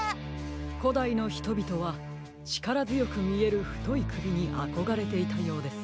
こだいのひとびとはちからづよくみえるふといくびにあこがれていたようです。